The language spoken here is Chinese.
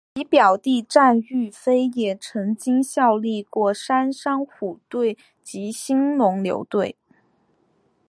其表弟战玉飞也曾经效力过三商虎队及兴农牛队。